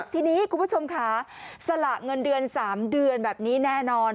ทีนี้คุณผู้ชมค่ะสละเงินเดือน๓เดือนแบบนี้แน่นอน